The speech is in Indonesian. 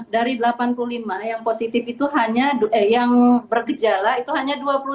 dari delapan puluh lima yang positif itu hanya yang bergejala itu hanya dua puluh satu